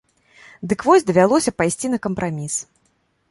Дык вось давялося пайсці на кампраміс.